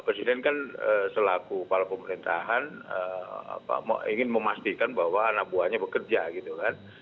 presiden kan selaku kepala pemerintahan ingin memastikan bahwa anak buahnya bekerja gitu kan